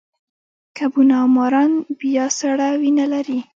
کبونه او ماران بیا سړه وینه لري